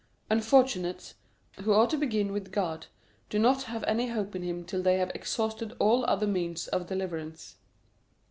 Unfortunates, who ought to begin with God, do not have any hope in him till they have exhausted all other means of deliverance.